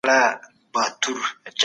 سالم ذهن راتلونکی نه خرابوي.